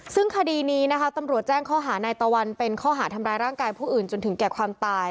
ซึ่งคดีนี้นะคะตำรวจแจ้งข้อหานายตะวันเป็นข้อหาทำร้ายร่างกายผู้อื่นจนถึงแก่ความตาย